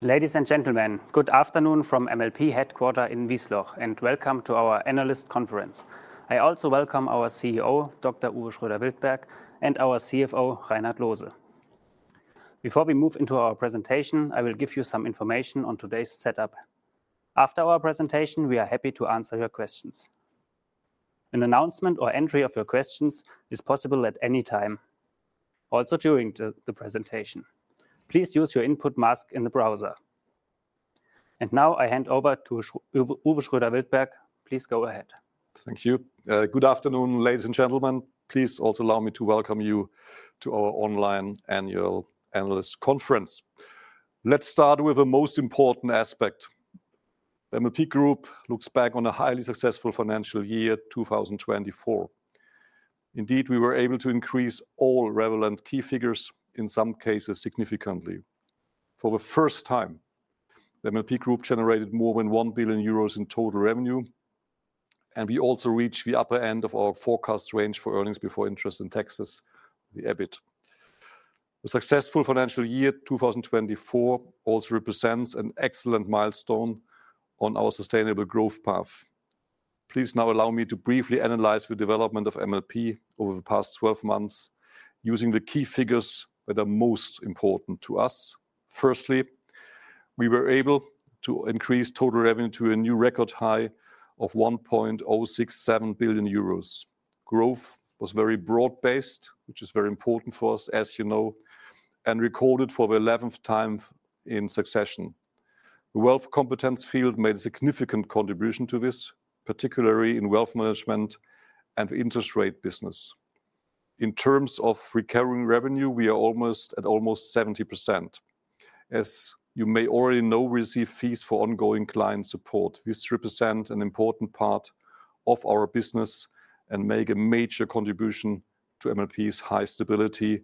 Ladies and gentlemen, good afternoon from MLP headquarters in Wiesloch, and welcome to our analyst conference. I also welcome our CEO, Dr. Uwe Schroeder-Wildberg, and our CFO, Reinhard Loose. Before we move into our presentation, I will give you some information on today's setup. After our presentation, we are happy to answer your questions. An announcement or entry of your questions is possible at any time, also during the presentation. Please use your input mask in the browser. Now I hand over to Uwe Schroeder-Wildberg. Please go ahead. Thank you. Good afternoon, ladies and gentlemen. Please also allow me to welcome you to our online annual analyst conference. Let's start with the most important aspect. The MLP Group looks back on a highly successful financial year, 2024. Indeed, we were able to increase all relevant key figures, in some cases significantly. For the first time, the MLP Group generated more than 1 billion euros in total revenue, and we also reached the upper end of our forecast range for earnings before interest and taxes, the EBIT. A successful financial year, 2024, also represents an excellent milestone on our sustainable growth path. Please now allow me to briefly analyze the development of MLP over the past 12 months using the key figures that are most important to us. Firstly, we were able to increase total revenue to a new record high of 1.067 billion euros. Growth was very broad-based, which is very important for us, as you know, and recorded for the 11th time in succession. The Wealth competence field made a significant contribution to this, particularly in Wealth management and the interest rate business. In terms of recurring revenue, we are almost at almost 70%. As you may already know, we receive fees for ongoing client support. This represents an important part of our business and makes a major contribution to MLP's high stability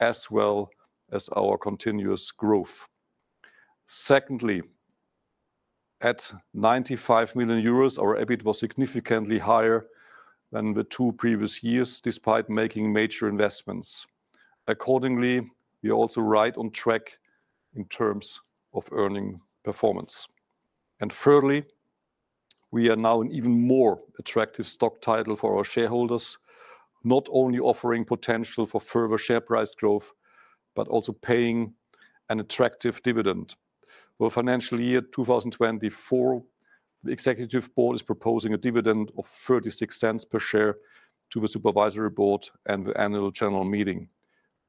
as well as our continuous growth. Secondly, at 95 million euros, our EBIT was significantly higher than the two previous years, despite making major investments. Accordingly, we are also right on track in terms of earning performance. Thirdly, we are now an even more attractive stock title for our shareholders, not only offering potential for further share price growth, but also paying an attractive dividend. For financial year 2024, the Executive Board is proposing a dividend of 0.36 per share to the Supervisory Board and the Annual General Meeting.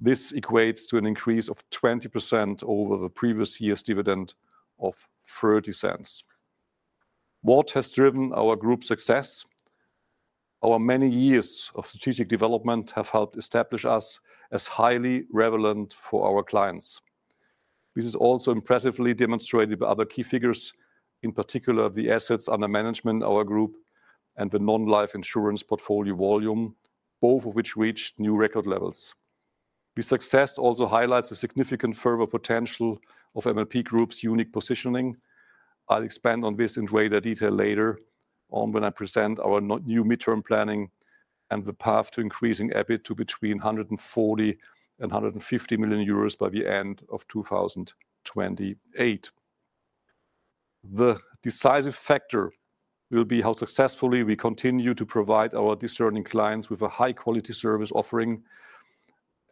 This equates to an increase of 20% over the previous year's dividend of 0.30. What has driven our group's success? Our many years of strategic development have helped establish us as highly relevant for our clients. This is also impressively demonstrated by other key figures, in particular the assets under management in our group and the non-life insurance portfolio volume, both of which reached new record levels. The success also highlights the significant further potential of MLP Group's unique positioning. I'll expand on this in greater detail later on when I present our new midterm planning and the path to increasing EBIT to between 140 million-150 million euros by the end of 2028. The decisive factor will be how successfully we continue to provide our discerning clients with a high-quality service offering,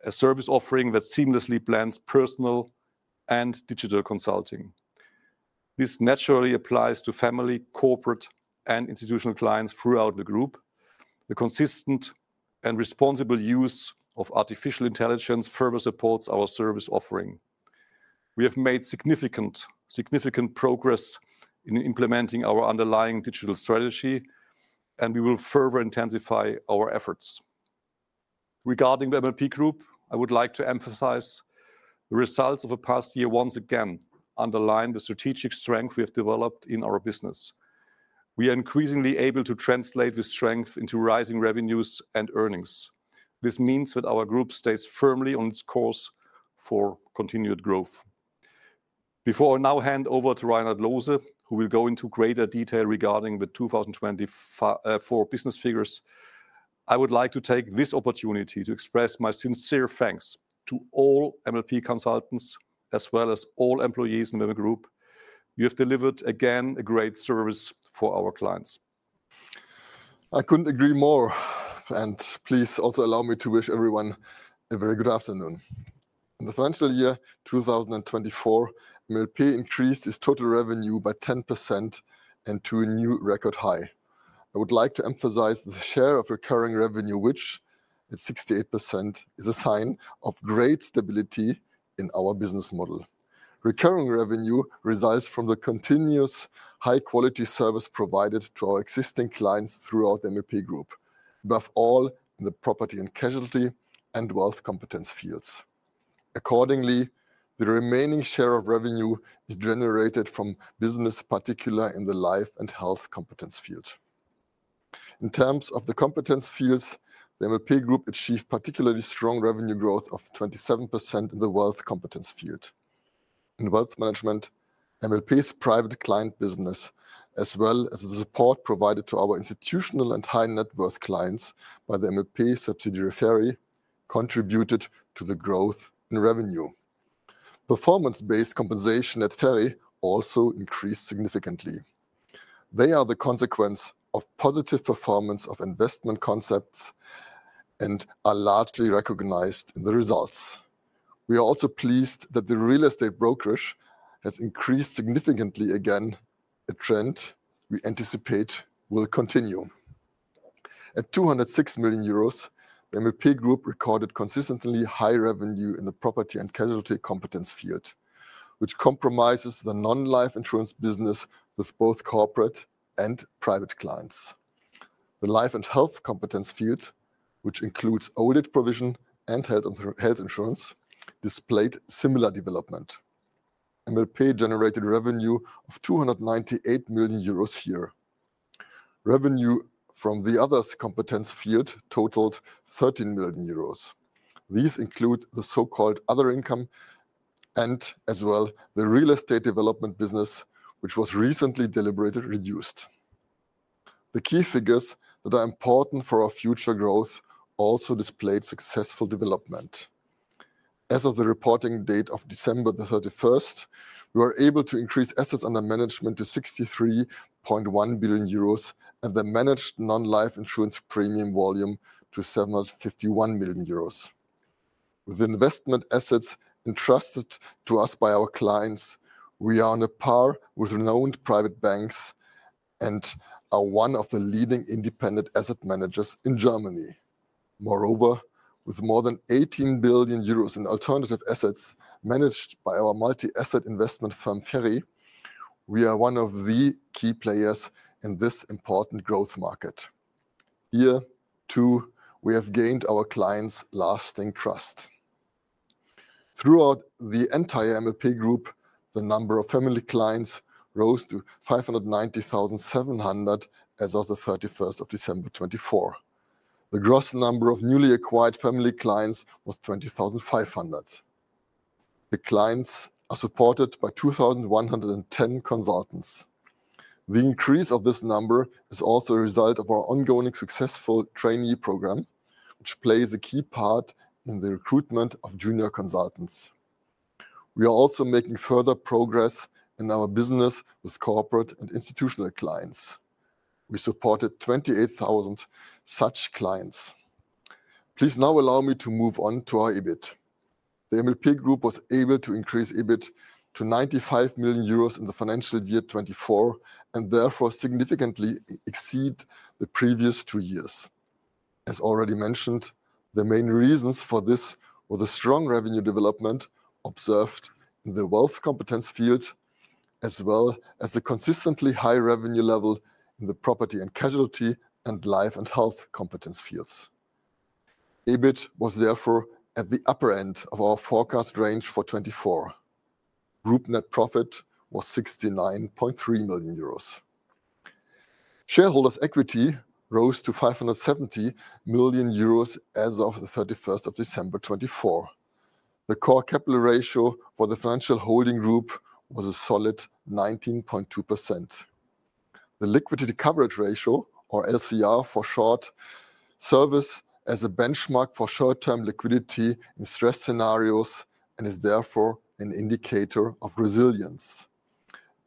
a service offering that seamlessly blends personal and digital consulting. This naturally applies to family, corporate, and institutional clients throughout the group. The consistent and responsible use of artificial intelligence further supports our service offering. We have made significant progress in implementing our underlying digital strategy, and we will further intensify our efforts. Regarding the MLP Group, I would like to emphasize the results of the past year once again underline the strategic strength we have developed in our business. We are increasingly able to translate this strength into rising revenues and earnings. This means that our group stays firmly on its course for continued growth. Before I now hand over to Reinhard Loose, who will go into greater detail regarding the 2024 business figures, I would like to take this opportunity to express my sincere thanks to all MLP consultants as well as all employees in the MLP Group. You have delivered, again, a great service for our clients. I could not agree more. Please also allow me to wish everyone a very good afternoon. In the financial year 2024, MLP increased its total revenue by 10% and to a new record high. I would like to emphasize the share of recurring revenue, which at 68% is a sign of great stability in our business model. Recurring revenue results from the continuous high-quality service provided to our existing clients throughout the MLP Group, above all in the Property and Casualty and Wealth competence fields. Accordingly, the remaining share of revenue is generated from business, particularly in the Life and Health competence field. In terms of the competence fields, the MLP Group achieved particularly strong revenue growth of 27% in the Wealth competence field. In Wealth management, MLP's private client business, as well as the support provided to our institutional and high-net-worth clients by the MLP subsidiary FERI, contributed to the growth in revenue. Performance-based compensation at FERI also increased significantly. They are the consequence of positive performance of investment concepts and are largely recognized in the results. We are also pleased that the real estate brokerage has increased significantly again, a trend we anticipate will continue. At 206 million euros, the MLP Group recorded consistently high revenue in the Property and Casualty competence field, which comprises the non-life insurance business with both corporate and private clients. The Life and Health competence field, which includes old-age provision and health insurance, displayed similar development. MLP generated revenue of 298 million euros here. Revenue from the Others competence field totaled 13 million euros. These include the so-called other income and as well the real estate development business, which was recently deliberately reduced. The key figures that are important for our future growth also displayed successful development. As of the reporting date of December the 31st, we were able to increase assets under management to 63.1 billion euros and the managed non-life insurance premium volume to 751 million euros. With the investment assets entrusted to us by our clients, we are on a par with renowned private banks and are one of the leading independent asset managers in Germany. Moreover, with more than 18 billion euros in alternative assets managed by our multi-asset investment firm FERI, we are one of the key players in this important growth market. Here, too, we have gained our clients' lasting trust. Throughout the entire MLP Group, the number of family clients rose to 590,700 as of the 31st of December 2024. The gross number of newly acquired family clients was 20,500. The clients are supported by 2,110 consultants. The increase of this number is also a result of our ongoing successful trainee program, which plays a key part in the recruitment of junior consultants. We are also making further progress in our business with corporate and institutional clients. We supported 28,000 such clients. Please now allow me to move on to our EBIT. The MLP Group was able to increase EBIT to 95 million euros in the financial year 2024 and therefore significantly exceed the previous two years. As already mentioned, the main reasons for this were the strong revenue development observed in the Wealth competence field, as well as the consistently high revenue level in the Property and Casualty and Life and Health competence fields. EBIT was therefore at the upper end of our forecast range for 2024. Group net profit was 69.3 million euros. Shareholders' equity rose to 570 million euros as of the 31st of December 2024. The core capital ratio for the financial holding group was a solid 19.2%. The liquidity coverage ratio, or LCR for short, serves as a benchmark for short-term liquidity in stress scenarios and is therefore an indicator of resilience.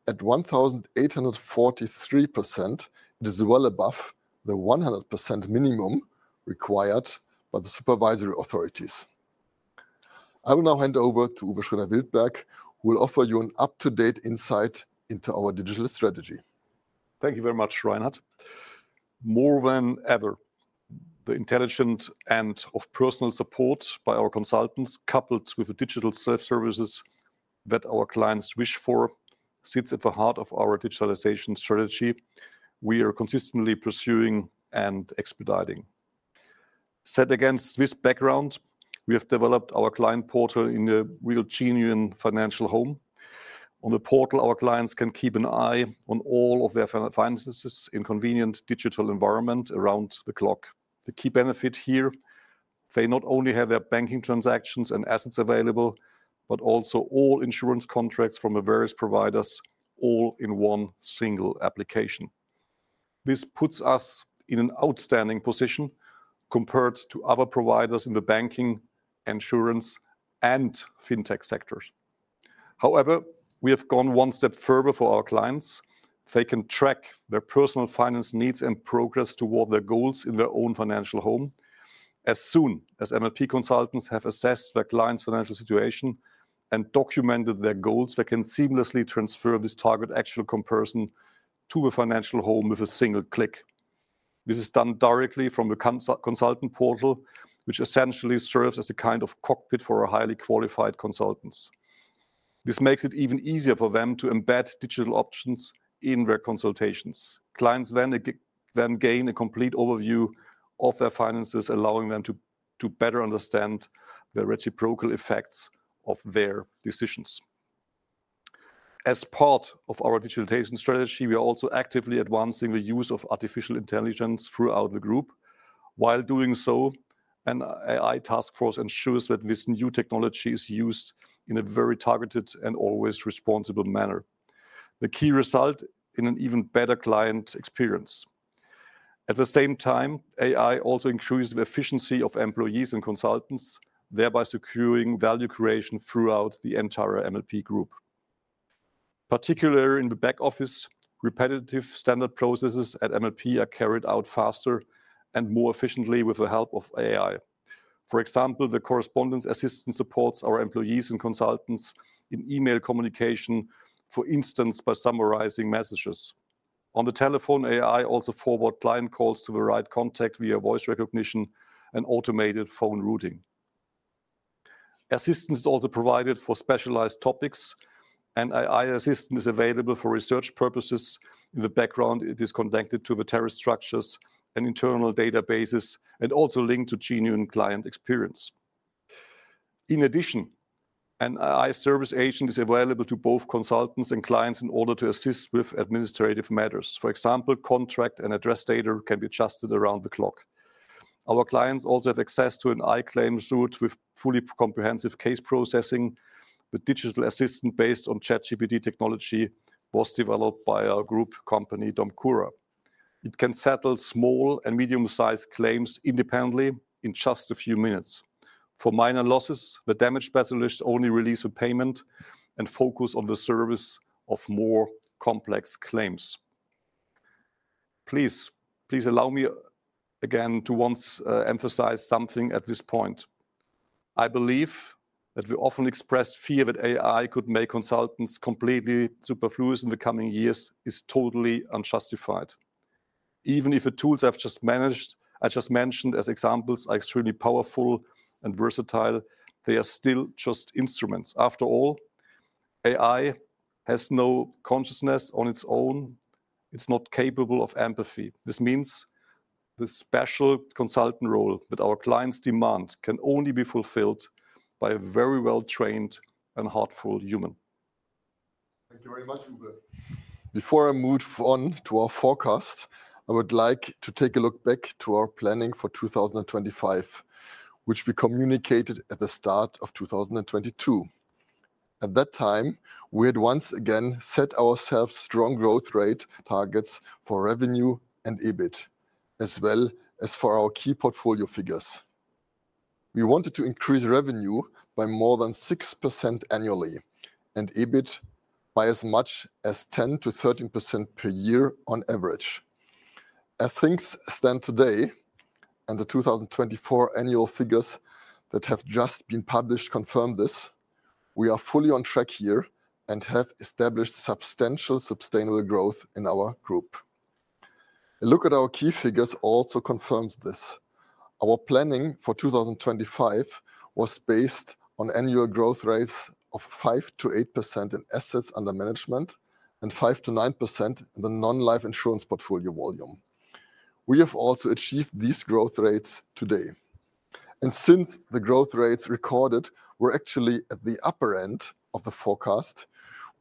At 1,843%, it is well above the 100% minimum required by the supervisory authorities. I will now hand over to Uwe Schroeder-Wildberg, who will offer you an up-to-date insight into our digital strategy. Thank you very much, Reinhard. More than ever, the intelligent end of personal support by our consultants, coupled with the digital self-services that our clients wish for, sits at the heart of our digitalization strategy we are consistently pursuing and expediting. Set against this background, we have developed our client portal in a real genuine Financial Home. On the portal, our clients can keep an eye on all of their finances in a convenient digital environment around the clock. The key benefit here: they not only have their banking transactions and assets available, but also all insurance contracts from various providers, all in one single application. This puts us in an outstanding position compared to other providers in the banking, insurance, and fintech sectors. However, we have gone one step further for our clients. They can track their personal finance needs and progress toward their goals in their own Financial Home. As soon as MLP consultants have assessed their clients' financial situation and documented their goals, they can seamlessly transfer this target-actual comparison to the Financial Home with a single click. This is done directly from the Consultant Portal, which essentially serves as a kind of cockpit for our highly qualified consultants. This makes it even easier for them to embed digital options in their consultations. Clients then gain a complete overview of their finances, allowing them to better understand the reciprocal effects of their decisions. As part of our digitalization strategy, we are also actively advancing the use of artificial intelligence throughout the group. While doing so, an AI task force ensures that this new technology is used in a very targeted and always responsible manner, the key result in an even better client experience. At the same time, AI also increases the efficiency of employees and consultants, thereby securing value creation throughout the entire MLP Group. Particularly in the back office, repetitive standard processes at MLP are carried out faster and more efficiently with the help of AI. For example, the Correspondence Assistant supports our employees and consultants in email communication, for instance, by summarizing messages. On the telephone, AI also forwards client calls to the right contact via voice recognition and automated phone routing. Assistance is also provided for specialized topics, and AI assistance is available for research purposes. In the background, it is connected to the tariff structures and internal databases and also linked to genuine client experience. In addition, an AI Service Agent is available to both consultants and clients in order to assist with administrative matters. For example, contract and address data can be adjusted around the clock. Our clients also have access to an AI claims suite with fully comprehensive case processing. The digital assistant based on ChatGPT technology was developed by our group company, DOMCURA. It can settle small and medium-sized claims independently in just a few minutes. For minor losses, the damage specialist only releases a payment and focuses on the service of more complex claims. Please, please allow me again to once emphasize something at this point. I believe that we often express fear that AI could make consultants completely superfluous in the coming years is totally unjustified. Even if the tools I've just mentioned as examples are extremely powerful and versatile, they are still just instruments. After all, AI has no consciousness on its own. It's not capable of empathy. This means the special consultant role that our clients demand can only be fulfilled by a very well-trained and heartful human. Thank you very much, Uwe. Before I move on to our forecast, I would like to take a look back to our planning for 2025, which we communicated at the start of 2022. At that time, we had once again set ourselves strong growth rate targets for revenue and EBIT, as well as for our key portfolio figures. We wanted to increase revenue by more than 6% annually and EBIT by as much as 10%-13% per year on average. As things stand today and the 2024 annual figures that have just been published confirm this, we are fully on track here and have established substantial sustainable growth in our group. A look at our key figures also confirms this. Our planning for 2025 was based on annual growth rates of 5%-8% in assets under management and 5%-9% in the non-life insurance portfolio volume. We have also achieved these growth rates today. Since the growth rates recorded were actually at the upper end of the forecast,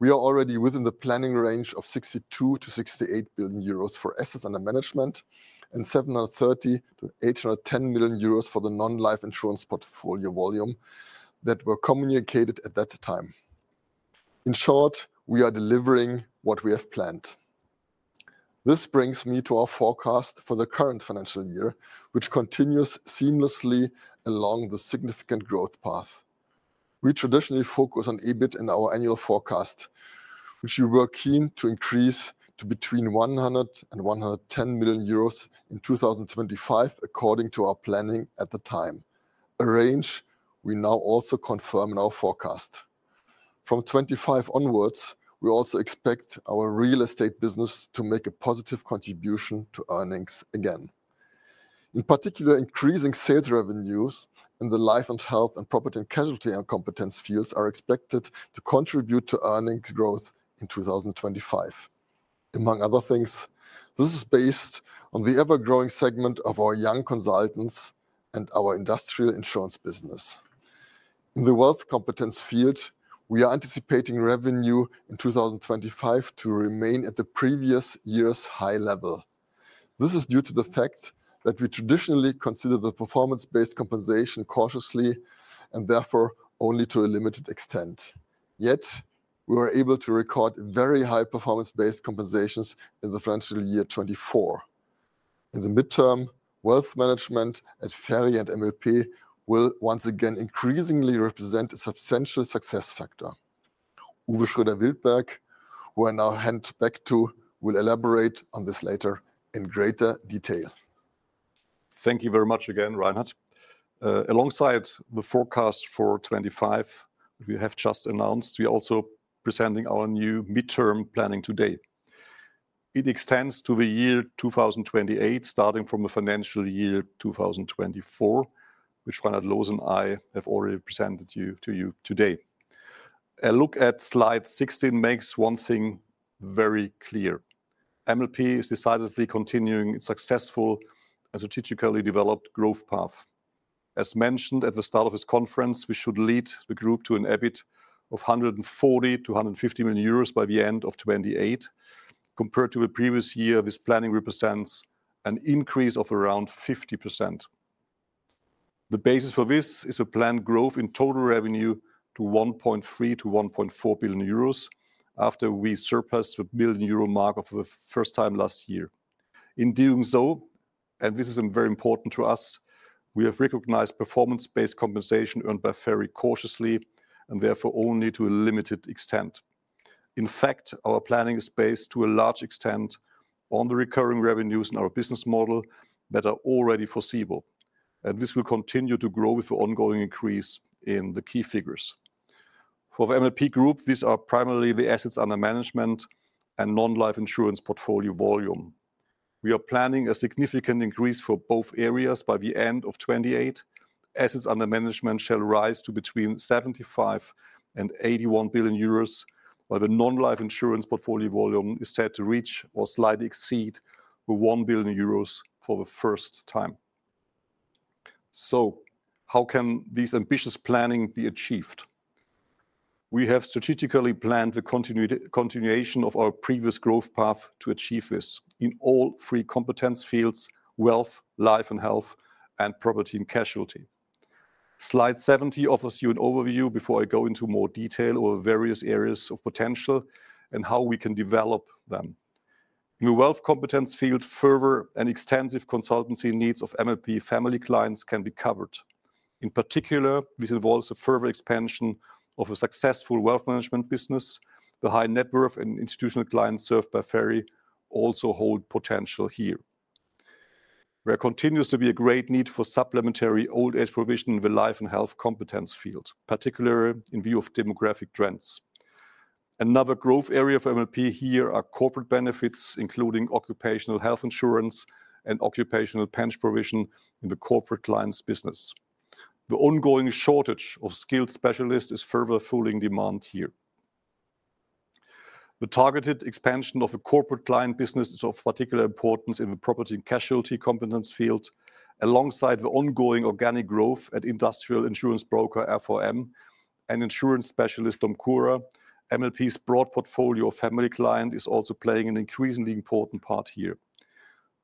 we are already within the planning range of 62 billion-68 billion euros for assets under management and 730 million-810 million euros for the non-life insurance portfolio volume that were communicated at that time. In short, we are delivering what we have planned. This brings me to our forecast for the current financial year, which continues seamlessly along the significant growth path. We traditionally focus on EBIT in our annual forecast, which we were keen to increase to between 100 million euros and 110 million euros in 2025, according to our planning at the time, a range we now also confirm in our forecast. From 2025 onwards, we also expect our real estate business to make a positive contribution to earnings again. In particular, increasing sales revenues in the Life and Health and Property and Casualty competence fields are expected to contribute to earnings growth in 2025. Among other things, this is based on the ever-growing segment of our young consultants and our industrial insurance business. In the Wealth competence field, we are anticipating revenue in 2025 to remain at the previous year's high level. This is due to the fact that we traditionally consider the performance-based compensation cautiously and therefore only to a limited extent. Yet, we were able to record very high performance-based compensations in the financial year 2024. In the midterm, Wealth management at FERI and MLP will once again increasingly represent a substantial success factor. Uwe Schroeder-Wildberg, who I now hand back to, will elaborate on this later in greater detail. Thank you very much again, Reinhard. Alongside the forecast for 2025, we have just announced we are also presenting our new midterm planning today. It extends to the year 2028, starting from the financial year 2024, which Reinhard Loose and I have already presented to you today. A look at slide 16 makes one thing very clear. MLP is decisively continuing its successful and strategically developed growth path. As mentioned at the start of this conference, we should lead the group to an EBIT of 140 million-150 million euros by the end of 2028. Compared to the previous year, this planning represents an increase of around 50%. The basis for this is a planned growth in total revenue to 1.3 billion-1.4 billion euros after we surpassed the billion euro mark for the first time last year. In doing so, and this is very important to us, we have recognized performance-based compensation earned by FERI cautiously and therefore only to a limited extent. In fact, our planning is based to a large extent on the recurring revenues in our business model that are already foreseeable, and this will continue to grow with the ongoing increase in the key figures. For the MLP Group, these are primarily the assets under management and non-life insurance portfolio volume. We are planning a significant increase for both areas by the end of 2028. Assets under management shall rise to between 75 billion-81 billion euros, while the non-life insurance portfolio volume is set to reach or slightly exceed 1 billion euros for the first time. How can this ambitious planning be achieved? We have strategically planned the continuation of our previous growth path to achieve this in all three competence fields: Wealth, Life and Health, and Property and Casualty. Slide 17 offers you an overview before I go into more detail over various areas of potential and how we can develop them. In the Wealth competence field, further and extensive consultancy needs of MLP family clients can be covered. In particular, this involves a further expansion of a successful Wealth management business. The high net worth and institutional clients served by FERI also hold potential here. There continues to be a great need for supplementary old-age provision in the Life and Health competence field, particularly in view of demographic trends. Another growth area for MLP here are corporate benefits, including occupational health insurance and occupational pension provision in the corporate clients' business. The ongoing shortage of skilled specialists is further fueling demand here. The targeted expansion of the corporate client business is of particular importance in the Property and Casualty competence field. Alongside the ongoing organic growth at industrial insurance broker FOM and insurance specialist DOMCURA, MLP's broad portfolio of family clients is also playing an increasingly important part here.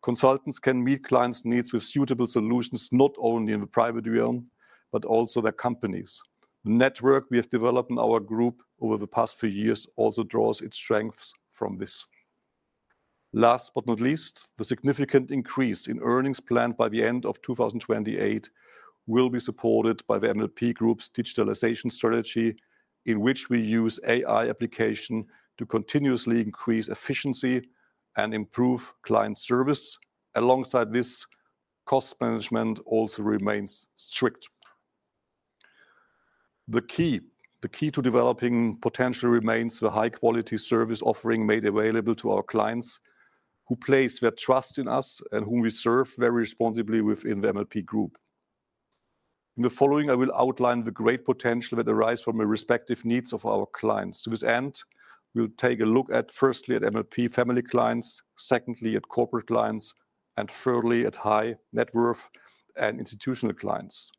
Consultants can meet clients' needs with suitable solutions not only in the private realm, but also their companies. The network we have developed in our group over the past few years also draws its strengths from this. Last but not least, the significant increase in earnings planned by the end of 2028 will be supported by the MLP Group's digitalization strategy, in which we use AI applications to continuously increase efficiency and improve client service. Alongside this, cost management also remains strict. The key to developing potential remains the high-quality service offering made available to our clients, who place their trust in us and whom we serve very responsibly within the MLP Group. In the following, I will outline the great potential that arises from the respective needs of our clients. To this end, we'll take a look at, firstly, at MLP family clients, secondly, at corporate clients, and thirdly, at high net worth and institutional clients.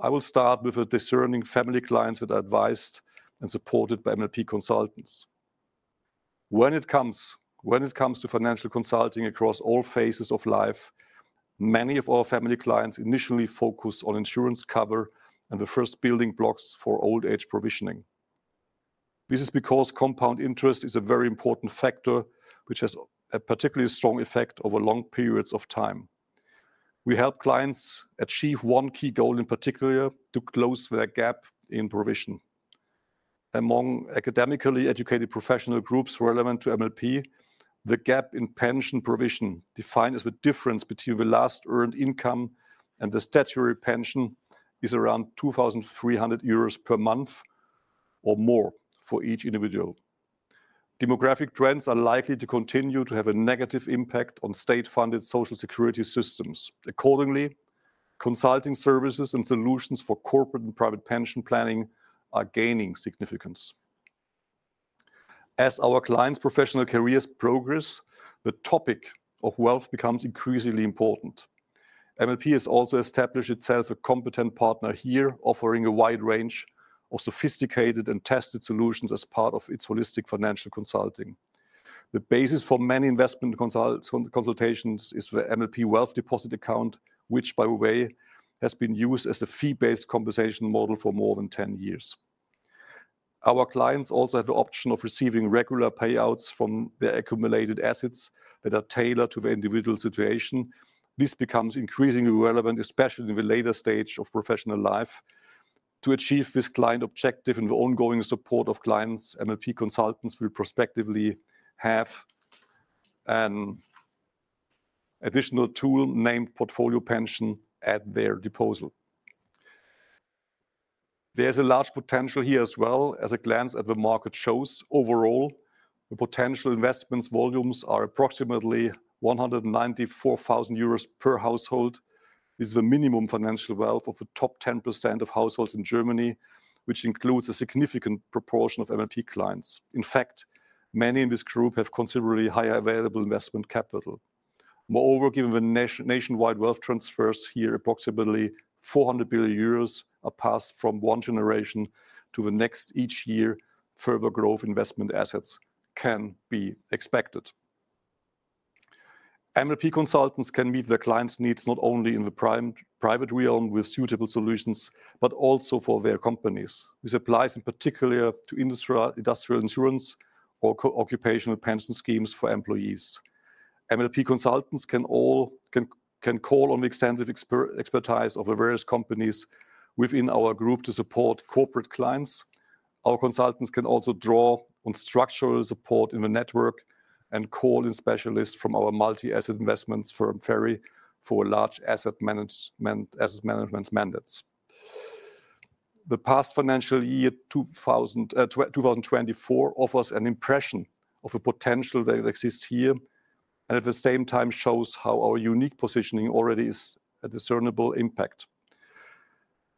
I will start with the discerning family clients that are advised and supported by MLP consultants. When it comes to financial consulting across all phases of life, many of our family clients initially focus on insurance cover and the first building blocks for old-age provisioning. This is because compound interest is a very important factor, which has a particularly strong effect over long periods of time. We help clients achieve one key goal, in particular, to close their gap in provision. Among academically educated professional groups relevant to MLP, the gap in pension provision, defined as the difference between the last earned income and the statutory pension, is around 2,300 euros per month or more for each individual. Demographic trends are likely to continue to have a negative impact on state-funded social security systems. Accordingly, consulting services and solutions for corporate and private pension planning are gaining significance. As our clients' professional careers progress, the topic of wealth becomes increasingly important. MLP has also established itself a competent partner here, offering a wide range of sophisticated and tested solutions as part of its holistic financial consulting. The basis for many investment consultations is the MLP Wealth Deposit Account, which, by the way, has been used as a fee-based compensation model for more than 10 years. Our clients also have the option of receiving regular payouts from their accumulated assets that are tailored to their individual situation. This becomes increasingly relevant, especially in the later stage of professional life. To achieve this client objective and the ongoing support of clients, MLP consultants will prospectively have an additional tool named Portfolio Pension at their disposal. There is a large potential here as well. As a glance at the market shows, overall, the potential investment volumes are approximately 194,000 euros per household. This is the minimum financial wealth of the top 10% of households in Germany, which includes a significant proportion of MLP clients. In fact, many in this group have considerably higher available investment capital. Moreover, given the nationwide wealth transfers here, approximately 400 billion euros are passed from one generation to the next each year. Further growth investment assets can be expected. MLP consultants can meet their clients' needs not only in the private realm with suitable solutions, but also for their companies. This applies in particular to industrial insurance or occupational pension schemes for employees. MLP consultants can call on the extensive expertise of the various companies within our group to support corporate clients. Our consultants can also draw on structural support in the network and call in specialists from our multi-asset investments firm FERI for large asset management mandates. The past financial year 2024 offers an impression of the potential that exists here and at the same time shows how our unique positioning already has a discernible impact.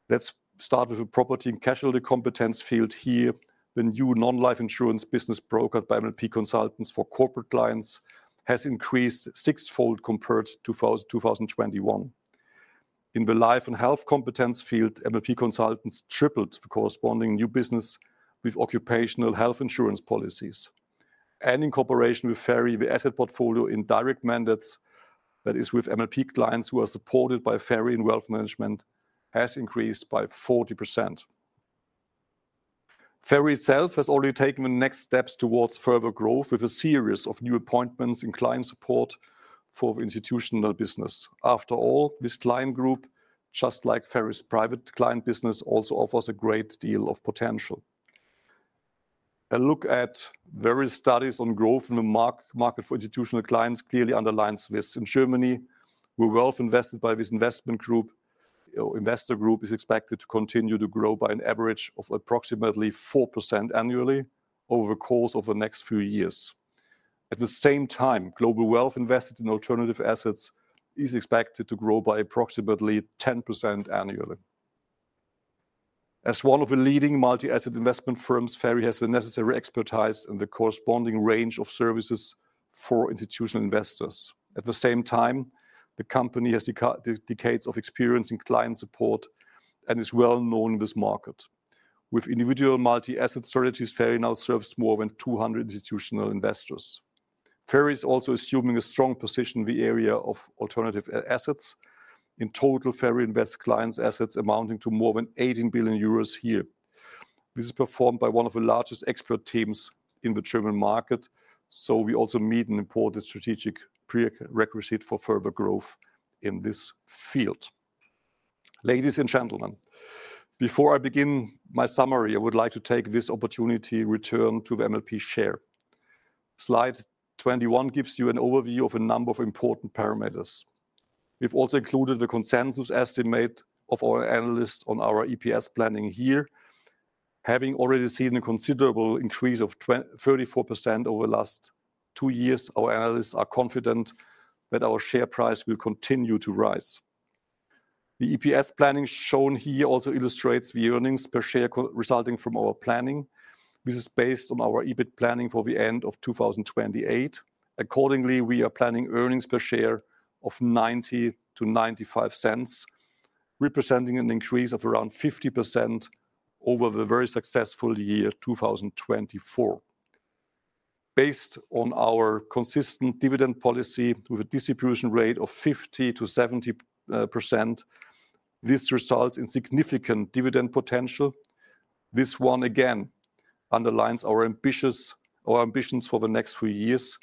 Let's start with the Property and Casualty competence field here. The new non-life insurance business brokered by MLP consultants for corporate clients has increased sixfold compared to 2021. In the Life and Health competence field, MLP consultants tripled the corresponding new business with occupational health insurance policies. In cooperation with FERI, the asset portfolio in direct mandates, that is, with MLP clients who are supported by FERI in Wealth management, has increased by 40%. FERI itself has already taken the next steps towards further growth with a series of new appointments in client support for institutional business. After all, this client group, just like FERI's private client business, also offers a great deal of potential. A look at various studies on growth in the market for institutional clients clearly underlines this in Germany. We are well invested by this investment group. Investor group is expected to continue to grow by an average of approximately 4% annually over the course of the next few years. At the same time, global wealth invested in alternative assets is expected to grow by approximately 10% annually. As one of the leading multi-asset investment firms, FERI has the necessary expertise and the corresponding range of services for institutional investors. At the same time, the company has decades of experience in client support and is well known in this market. With individual multi-asset strategies, FERI now serves more than 200 institutional investors. FERI is also assuming a strong position in the area of alternative assets. In total, FERI invests clients' assets amounting to more than 18 billion euros here. This is performed by one of the largest expert teams in the German market, so we also meet an important strategic prerequisite for further growth in this field. Ladies and gentlemen, before I begin my summary, I would like to take this opportunity to return to the MLP share. Slide 21 gives you an overview of a number of important parameters. We have also included the consensus estimate of our analysts on our EPS planning here. Having already seen a considerable increase of 34% over the last two years, our analysts are confident that our share price will continue to rise. The EPS planning shown here also illustrates the earnings per share resulting from our planning. This is based on our EBIT planning for the end of 2028. Accordingly, we are planning earnings per share of 0.90-0.95, representing an increase of around 50% over the very successful year 2024. Based on our consistent dividend policy with a distribution rate of 50%-70%, this results in significant dividend potential. This one, again, underlines our ambitions for the next few years.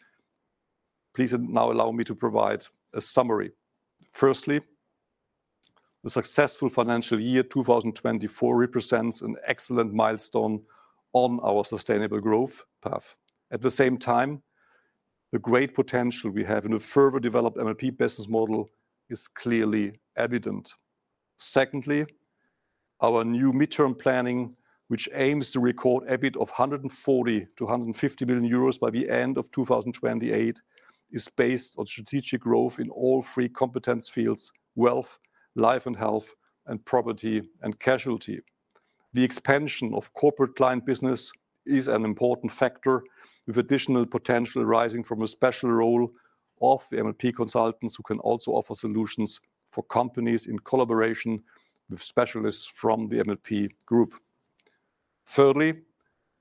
Please now allow me to provide a summary. Firstly, the successful financial year 2024 represents an excellent milestone on our sustainable growth path. At the same time, the great potential we have in a further developed MLP business model is clearly evident. Secondly, our new midterm planning, which aims to record EBIT of 140 million-150 million euros by the end of 2028, is based on strategic growth in all three competence fields: Wealth, Life and Health, and Property and Casualty. The expansion of corporate client business is an important factor, with additional potential arising from a special role of the MLP consultants, who can also offer solutions for companies in collaboration with specialists from the MLP Group. Thirdly,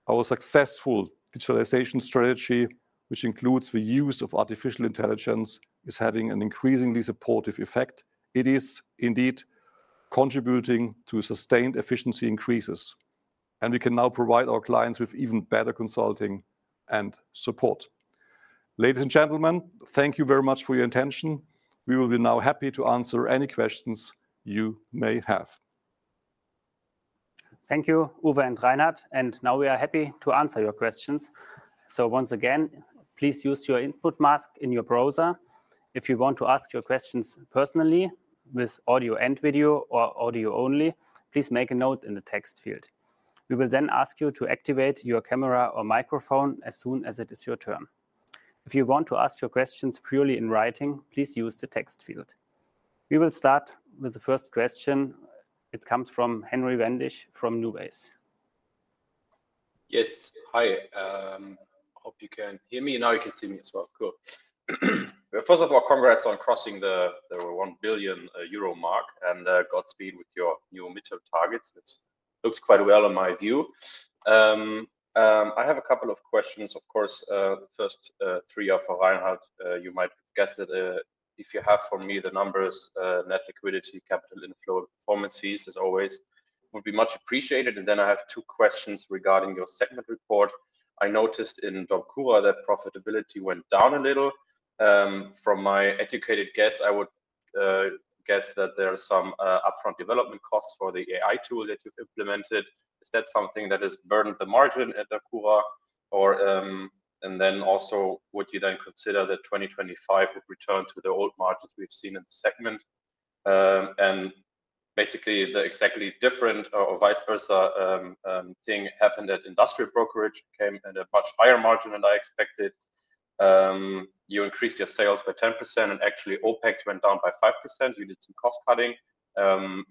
our successful digitalization strategy, which includes the use of artificial intelligence, is having an increasingly supportive effect. It is indeed contributing to sustained efficiency increases, and we can now provide our clients with even better consulting and support. Ladies and gentlemen, thank you very much for your attention. We will be now happy to answer any questions you may have. Thank you, Uwe and Reinhard. We are happy to answer your questions. Once again, please use your input mask in your browser. If you want to ask your questions personally with audio and video or audio only, please make a note in the text field. We will then ask you to activate your camera or microphone as soon as it is your turn. If you want to ask your questions purely in writing, please use the text field. We will start with the first question. It comes from Henry Wendisch from NuWays. Yes. Hi. I hope you can hear me. Now you can see me as well. Cool. First of all, congrats on crossing the 1 billion euro mark. Godspeed with your new midterm targets. It looks quite well in my view. I have a couple of questions, of course. The first three are for Reinhard. You might have guessed it. If you have for me the numbers, net liquidity, capital inflow, and performance fees, as always, would be much appreciated. I have two questions regarding your segment report. I noticed in DOMCURA that profitability went down a little. From my educated guess, I would guess that there are some upfront development costs for the AI tool that you've implemented. Is that something that has burned the margin at DOMCURA? Would you then consider that 2025 would return to the old margins we've seen in the segment? Basically, the exactly different or vice versa thing happened at Industrial Brokerage. It came at a much higher margin than I expected. You increased your sales by 10%, and actually, OpEx went down by 5%. You did some cost cutting.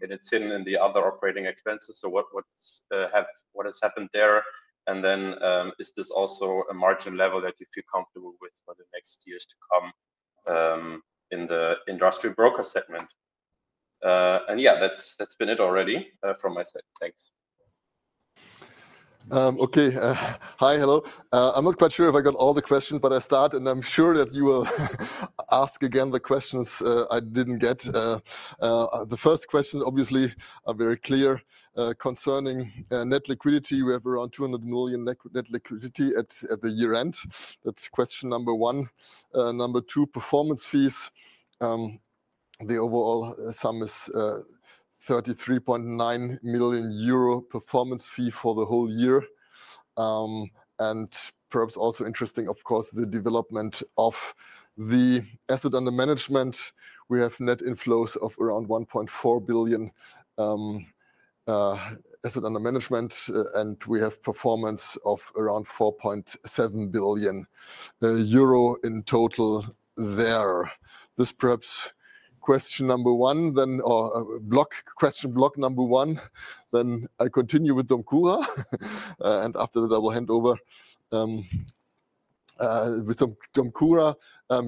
It had thinned in the other operating expenses. What has happened there? Is this also a margin level that you feel comfortable with for the next years to come in the industrial broker segment? Yeah, that's been it already from my side. Thanks. Okay. Hi, hello. I'm not quite sure if I got all the questions, but I'll start, and I'm sure that you will ask again the questions I didn't get. The first questions, obviously, are very clear concerning net liquidity. We have around 200 million net liquidity at the year end. That's question number one. Number two, performance fees. The overall sum is 33.9 million euro performance fee for the whole year. Perhaps also interesting, of course, the development of the assets under management. We have net inflows of around 1.4 billion asset under management, and we have performance of around 4.7 billion euro in total there. This perhaps question number one, then or block question block number one. I continue with DOMCURA. After that, I will hand over with DOMCURA.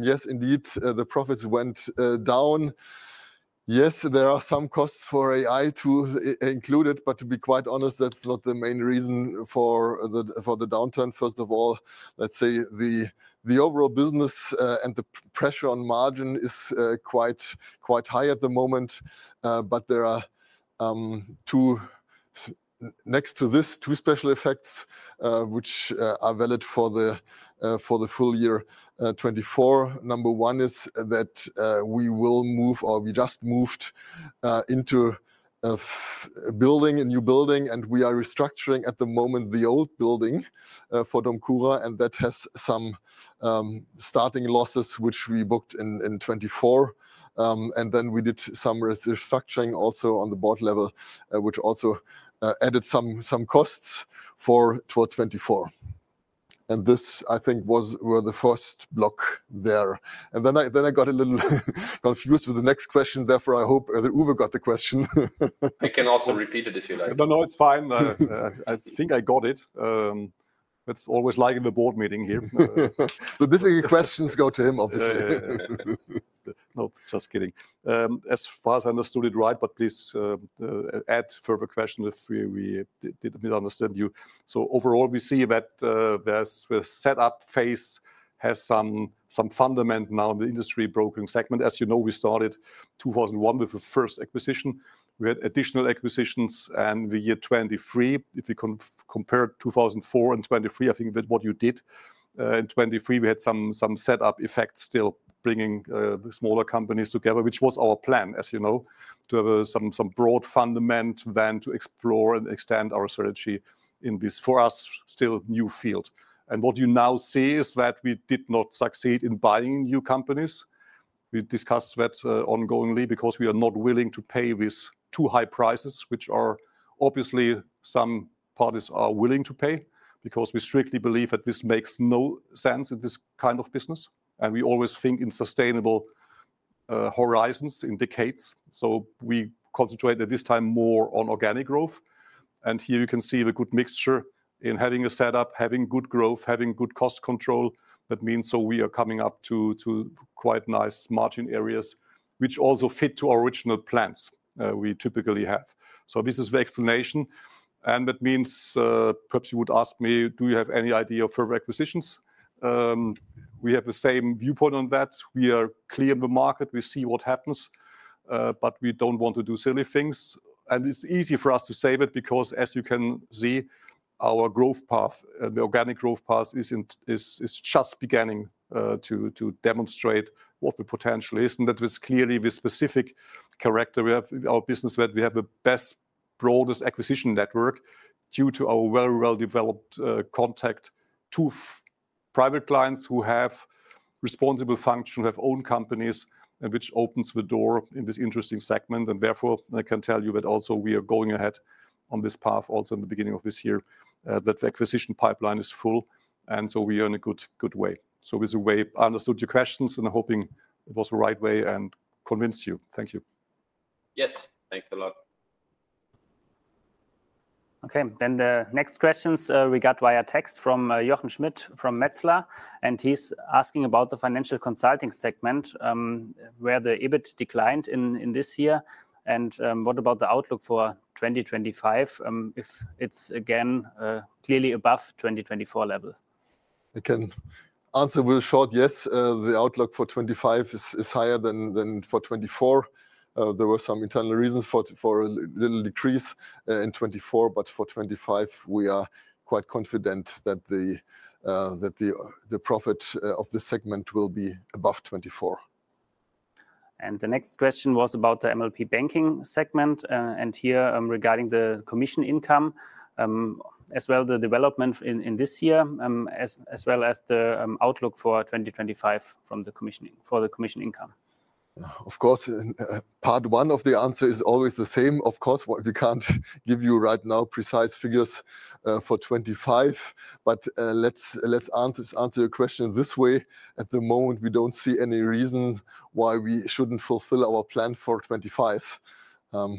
Yes, indeed, the profits went down. Yes, there are some costs for AI tools included, but to be quite honest, that's not the main reason for the downturn. First of all, let's say the overall business and the pressure on margin is quite high at the moment. There are, next to this, two special effects which are valid for the full year 2024. Number one is that we will move, or we just moved into a building, a new building, and we are restructuring at the moment the old building for DOMCURA. That has some starting losses, which we booked in 2024. We did some restructuring also on the board level, which also added some costs for 2024. This, I think, was the first block there. I got a little confused with the next question. I hope Uwe got the question. I can also repeat it if you like. No, no, it's fine. I think I got it. That's always like in the board meeting here. The difficult questions go to him, obviously. No, just kidding. As far as I understood it right, but please add further questions if we did not understand you. Overall, we see that the setup phase has some fundament now in the industry brokering segment. As you know, we started 2001 with the first acquisition. We had additional acquisitions in the year 2023. If we compare 2004 and 2023, I think that what you did in 2023, we had some setup effects still bringing smaller companies together, which was our plan, as you know, to have some broad fundament, then to explore and extend our strategy in this, for us, still new field. What you now see is that we did not succeed in buying new companies. We discussed that ongoingly because we are not willing to pay with too high prices, which obviously some parties are willing to pay because we strictly believe that this makes no sense in this kind of business. We always think in sustainable horizons in decades. We concentrate at this time more on organic growth. Here you can see the good mixture in having a setup, having good growth, having good cost control. That means we are coming up to quite nice margin areas, which also fit to our original plans we typically have. This is the explanation. That means perhaps you would ask me, do you have any idea of further acquisitions? We have the same viewpoint on that. We are clear in the market. We see what happens, but we do not want to do silly things. It is easy for us to say it because, as you can see, our growth path, the organic growth path, is just beginning to demonstrate what the potential is. That was clearly the specific character of our business that we have the best broadest acquisition network due to our very well-developed contact to private clients who have responsible functions, who have owned companies, which opens the door in this interesting segment. Therefore, I can tell you that also we are going ahead on this path also in the beginning of this year, that the acquisition pipeline is full. We are in a good way. With the way I understood your questions, I'm hoping it was the right way and convinced you. Thank you. Yes. Thanks a lot. Okay. The next questions regard via text from Jochen Schmitt from Metzler. He's asking about the financial consulting segment, where the EBIT declined in this year. What about the outlook for 2025 if it's again clearly above 2024 level? I can answer with a short yes. The outlook for 2025 is higher than for 2024. There were some internal reasons for a little decrease in 2024, but for 2025, we are quite confident that the profit of the segment will be above 2024. The next question was about the MLP banking segment. Here regarding the commission income as well, the development in this year, as well as the outlook for 2025 from the commission income. Of course, part one of the answer is always the same. Of course, we can't give you right now precise figures for 2025. Let's answer your question this way. At the moment, we don't see any reason why we shouldn't fulfill our plan for 2025.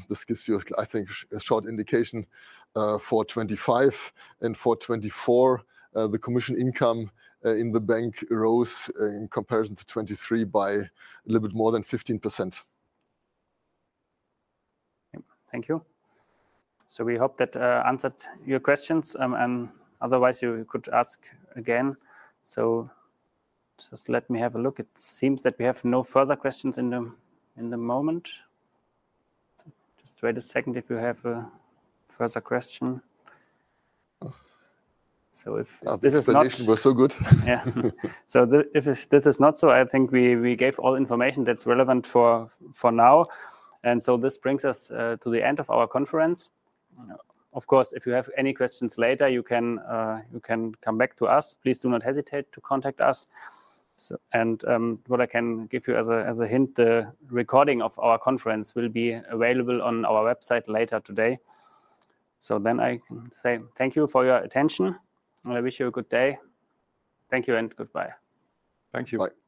This gives you, I think, a short indication for 2025. For 2024, the commission income in the bank rose in comparison to 2023 by a little bit more than 15%. Thank you. We hope that answered your questions. Otherwise, you could ask again. Just let me have a look. It seems that we have no further questions in the moment. Just wait a second if you have a further question. If this is not so good. If this is not so, I think we gave all information that's relevant for now. This brings us to the end of our conference. Of course, if you have any questions later, you can come back to us. Please do not hesitate to contact us. What I can give you as a hint, the recording of our conference will be available on our website later today. I can say thank you for your attention. I wish you a good day. Thank you and goodbye. Thank you. Bye. Bye-bye.